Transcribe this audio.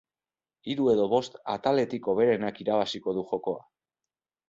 Hiru edo bost ataletik hoberenak irabaziko du jokoa.